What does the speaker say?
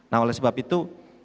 nah oleh sebab itu